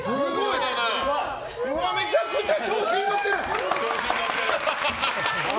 めちゃくちゃ調子に乗ってる！